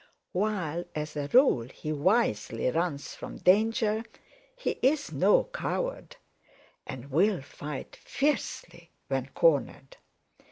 While as a rule he wisely runs from danger, he is no coward, and will fight fiercely when cornered.